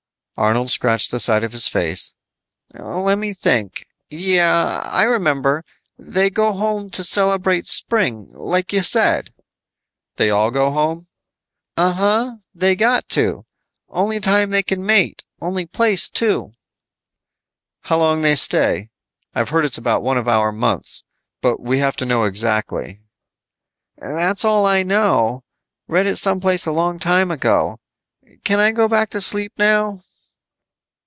Arnold scratched the side of his face. "Lemme think. Yeah, I remember. They go home to celebrate spring, like you said." "They all go home?" "Uh huh. They got to. Only time they can mate. Only place, too." "How long they stay? I've heard it's about one of our months, but we have to know exactly." "That's all I know. Read it some place a long time ago. Can I go back to sleep now?"